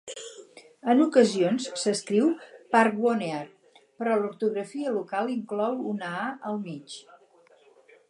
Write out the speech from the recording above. En ocasions s'escriu Parkvonear, però l'ortografia local inclou una "a" al mig.